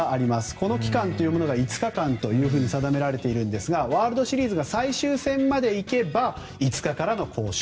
この期間というものが５日間と定められているんですがワールドシリーズが最終戦までいけば５日からの交渉。